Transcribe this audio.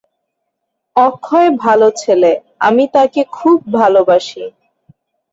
অক্ষয় ভাল ছেলে, আমি তাকে খুব ভালবাসি।